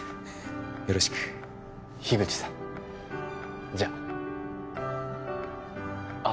よろしく樋口さんじゃああっ